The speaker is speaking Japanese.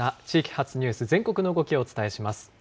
地域発ニュース、全国の動きをお伝えします。